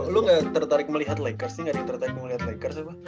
lu gak tertarik melihat lakers sih gak ada yang tertarik melihat lakers apa